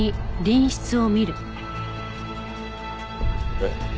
えっ？